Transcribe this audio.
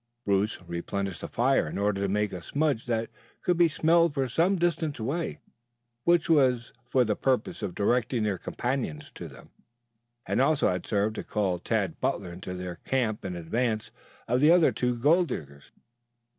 Bruce replenished the fire in order to make a smudge that could be smelled for some distance away, which was for the purpose of directing their companions to them, and also had served to call Tad Butler into their camp in advance of the other two gold diggers.